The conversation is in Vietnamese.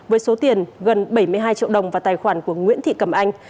với số tiền gần bảy mươi hai triệu đồng vào tài khoản của nguyễn thị cẩm anh